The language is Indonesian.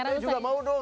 saya juga mau dong